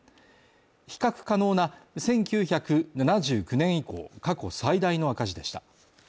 比較可能な１９７９年以降、過去最大の赤字でした。